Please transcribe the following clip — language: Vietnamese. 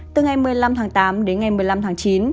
từ ngày một mươi năm tháng tám đến ngày một mươi năm tháng chín